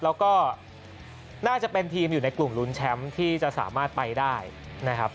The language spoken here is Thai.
แล้วก็น่าจะเป็นทีมอยู่ในกลุ่มรุ้นแชมป์ที่จะสามารถไปได้นะครับ